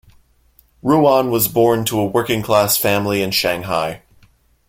Ruan was born to a working class family in Shanghai.